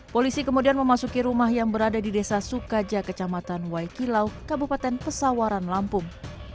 polisi kemudian memasuki rumah yang berada di desa sukaja kecamatan waikilau kabupaten pesawaran lampung